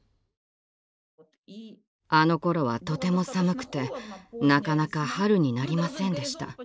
あのころはとても寒くてなかなか春になりませんでした。